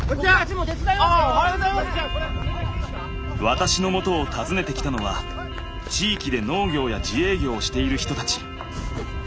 私のもとを訪ねてきたのは地域で農業や自営業をしている人たち。